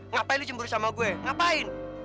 ngapain lo cemburu sama gue ngapain